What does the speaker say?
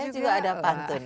saya juga ada pantun